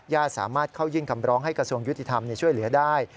สามารถเข้ายื่นคำร้องให้กระทรวงยุติธรรมช่วยเหลือได้